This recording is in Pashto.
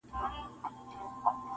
ما ته دي نه ګوري قلم قلم یې کړمه-